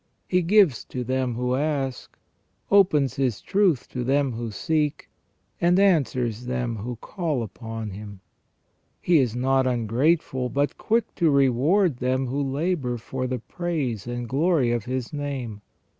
He gives to them who ask, opens His truth to them who seek, and answers them who call upon Him. He is not ungrateful, but quick to reward them who labour for the praise and glory of His Name.